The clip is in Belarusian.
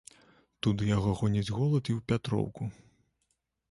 Туды яго гоніць холад і ў пятроўку.